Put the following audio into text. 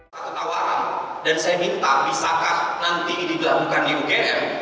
saya tawaran dan saya minta bisakah nanti digelamkan di ugm